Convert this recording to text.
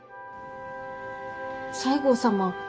西郷様